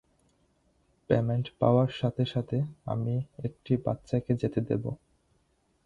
Payment পাওয়ার সাথে সাথে, আমি একটি বাচ্চাকে যেতে দেবো।